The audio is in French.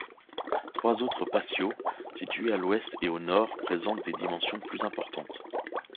Trois autres patios, situés à l'ouest et au nord, présentent des dimensions plus importantes.